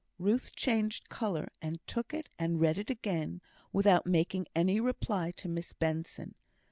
Ruth changed colour, and took it and read it again without making any reply to Miss Benson.